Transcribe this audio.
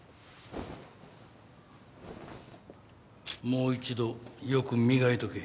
もう一度よく磨いとけ。